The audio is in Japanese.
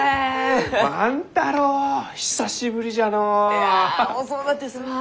いや遅うなってすまん。